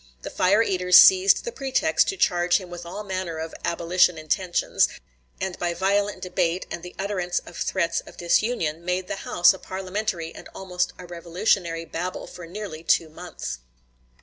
The fire eaters seized the pretext to charge him with all manner of "abolition" intentions, and by violent debate and the utterance of threats of disunion made the House a parliamentary and almost a revolutionary babel for nearly two months.